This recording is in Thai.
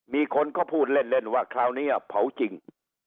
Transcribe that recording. มีคนก็พูดเล่นว่าคราวนี้เผาจริง